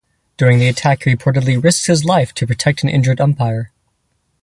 During the attack he reportedly risked his life to protect an injured umpire.